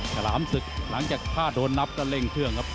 ฉลามศึกหลังจากถ้าโดนนับก็เร่งเครื่องครับ